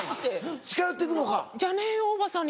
近寄って行くのか。